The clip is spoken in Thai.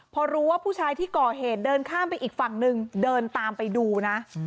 พอรู้ว่าผู้ชายที่ก่อเหตุเดินข้ามไปอีกฝั่งหนึ่งเดินตามไปดูนะ